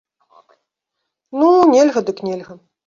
Ну, нельга, дык нельга.